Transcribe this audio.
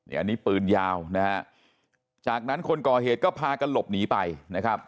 อันนี้ปืนยาวนะฮะจากนั้นคนก่อเหตุก็พากันหลบหนีไปนะครับ